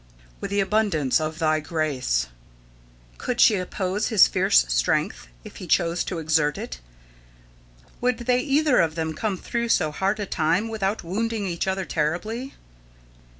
"With the abundance of Thy grace" Could she oppose his fierce strength, if he chose to exert it? Would they either of them come through so hard a time without wounding each other terribly?